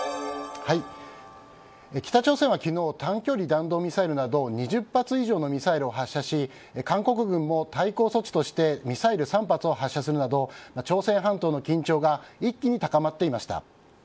北朝鮮は昨日短距離弾道ミサイルなど２０発以上のミサイルを発射し韓国軍も対抗措置としてミサイル３発を発射するなど朝鮮半島の緊張感が一気に高まりました。